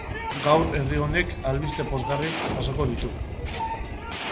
Gaur herri honek albiste pozgarriak jasoko ditu.